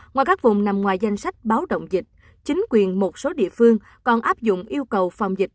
ngoài các vùng nằm ngoài danh sách báo động dịch chính quyền một số địa phương còn áp dụng yêu cầu phòng dịch